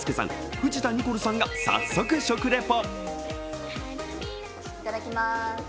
藤田ニコルさんが早速、食リポ。